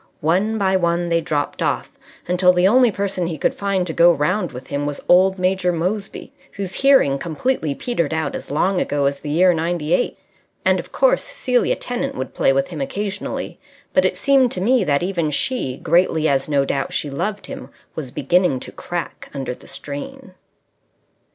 One by one they dropped off, until the only person he could find to go round with him was old Major Moseby, whose hearing completely petered out as long ago as the year '98. And, of course, Celia Tennant would play with him occasionally; but it seemed to me that even she, greatly as no doubt she loved him, was beginning to crack under the strain.